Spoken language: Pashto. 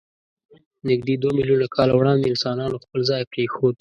نږدې دوه میلیونه کاله وړاندې انسانانو خپل ځای پرېښود.